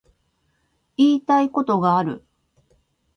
言いたいことがある